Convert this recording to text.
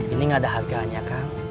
ini nggak ada harganya kang